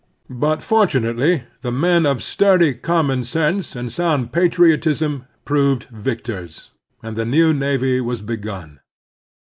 But fortunately the men of sturdy common sense and sound patriotism proved victors, and the new navy was begun.